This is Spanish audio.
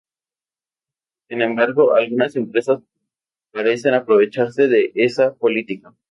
Sin embargo, algunas empresas parecen aprovecharse de esa política.